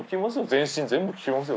全身全部効きますよ